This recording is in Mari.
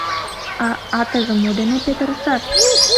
А... атыжым мо дене петырышаш?..